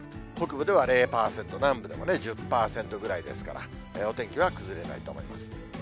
北部では０％、南部でも１０％ぐらいですから、お天気は崩れないと思います。